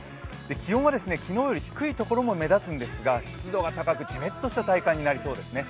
気温は昨日より低いところも目立つんですが、湿度が高くじめっとした体感になりそうですね。